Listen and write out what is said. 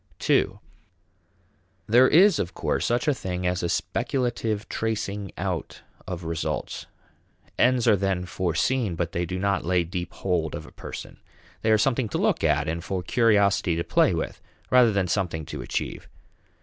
(ii) There is, of course, such a thing as a speculative tracing out of results. Ends are then foreseen, but they do not lay deep hold of a person. They are something to look at and for curiosity to play with rather than something to achieve.